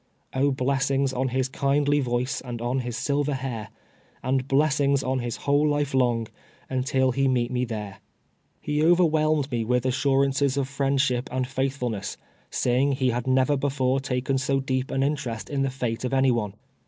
"Oh, blessings on his kindly voice and on his silver hair, And blessings on his whole life long, until he meet me there." . He overwhelmed me with assurances of friendship and faithfulness, saying he had never before taken so deep an interest in the fate of any one.